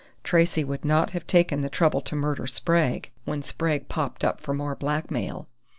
Tracey would not have taken the trouble to murder Sprague, when Sprague popped up for more blackmail!"